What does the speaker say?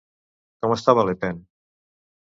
Com estava Le Pen?